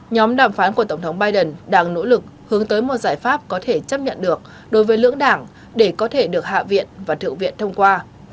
nhóm đàm phán của tổng thống biden đang nỗ lực hướng tới một giải pháp có thể chấp nhận được đối với lưỡng đảng để có thể được hạ viện và thượng viện thông qua